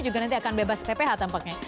juga nanti akan bebas pph tampaknya